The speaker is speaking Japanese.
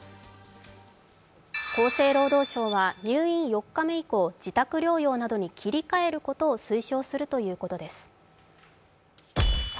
厚生労働省は入院４日目以降自宅療養などに切り替えることを推奨するということです。